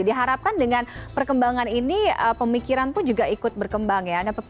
diharapkan dengan perkembangan ini pemikiran pun juga ikut berkembang ya